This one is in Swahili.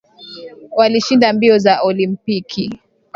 Walishinda mbio za olimpiki